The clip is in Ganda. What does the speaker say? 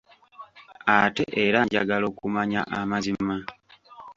Ate era njagala okumanya amazima.